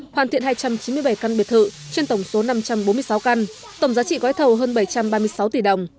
hoàn thiện hai trăm chín mươi bảy căn biệt thự trên tổng số năm trăm bốn mươi sáu căn tổng giá trị gói thầu hơn bảy trăm ba mươi sáu tỷ đồng